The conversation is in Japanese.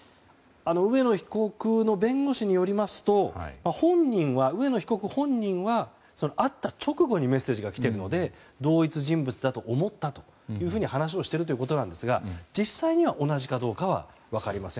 上野被告の弁護士によりますと上野被告本人は会った直後にメッセージが来ているので同一人物だと思ったと話しているということですが実際には同じかどうかは分かりません。